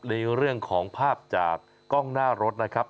ในเรื่องของภาพจากกล้องหน้ารถนะครับ